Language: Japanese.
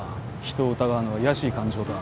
人を疑うのは卑しい感情だ。